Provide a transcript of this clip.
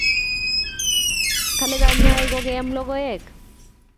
Kale kanyaik okeyam lokoek